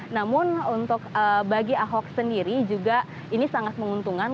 namun untuk bagi ahok sendiri juga ini sangat menguntungkan